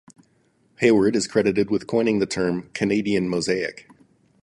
Hayward is credited with coining the term "Canadian mosaic".